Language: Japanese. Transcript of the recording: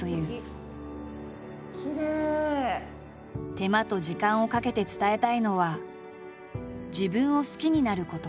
手間と時間をかけて伝えたいのは自分を好きになること。